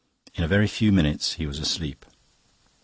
In a very few minutes he was asleep.